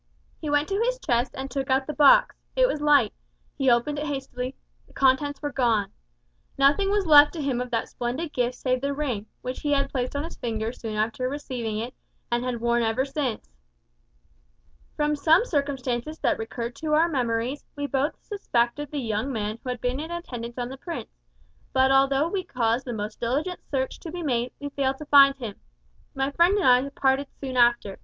He went to his chest and took out the box it was light he opened it hastily the contents were gone! Nothing was left to him of that splendid gift save the ring, which he had placed on his finger soon after receiving it, and had worn ever since. "From some circumstances that recurred to our memories, we both suspected the young man who had been in attendance on the prince, but, although we caused the most diligent search to be made, we failed to find him. My friend and I parted soon after.